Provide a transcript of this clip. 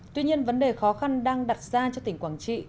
tuy nhiên vấn đề khó khăn đang đặt ra cho tỉnh quảng trị